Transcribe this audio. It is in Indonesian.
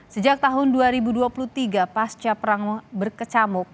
sejak tahun dua ribu dua puluh tiga pasca perang berkecamuk